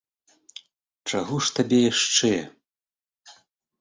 Чаго ж табе яшчэ?